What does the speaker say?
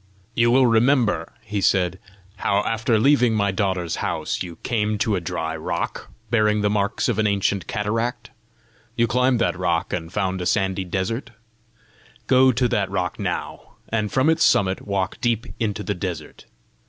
"You will remember," he said, "how, after leaving my daughter's house, you came to a dry rock, bearing the marks of an ancient cataract; you climbed that rock, and found a sandy desert: go to that rock now, and from its summit walk deep into the desert.